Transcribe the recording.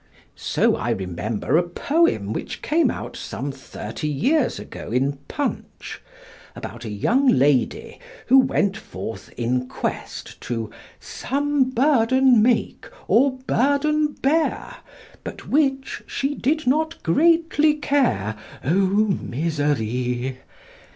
So I remember a poem which came out some thirty years ago in Punch, about a young lady who went forth in quest to "Some burden make or burden bear, but which she did not greatly care, oh Miserie."